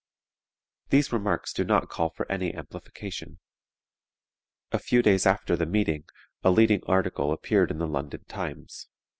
These remarks do not call for any amplification. A few days after the meeting a leading article appeared in the London Times.